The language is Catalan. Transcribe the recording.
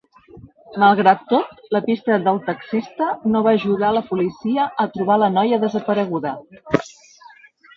Malgrat tot, la pista del taxista no va ajudar la policia a trobar la noia desapareguda.